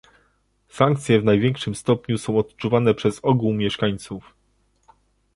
Sankcje w największym stopniu są odczuwane przez ogół mieszkańców